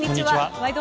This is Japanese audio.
「ワイド！